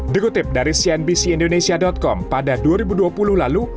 dikutip dari cnbc indonesia com pada dua ribu dua puluh lalu